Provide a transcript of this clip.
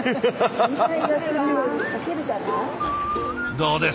どうです？